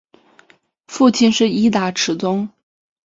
父亲是伊达持宗。